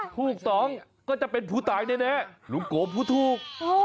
ถูกต้องก็จะเป็นผู้ตายแน่ลุงโกผู้ถูก